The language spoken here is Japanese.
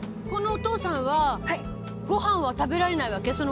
このお父さんはご飯は食べられないわけ？